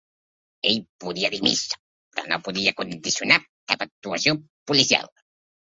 Ell podia dir missa però no podia condicionar cap actuació policial.